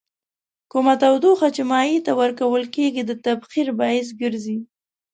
کومه تودوخه چې مایع ته ورکول کیږي د تبخیر باعث ګرځي.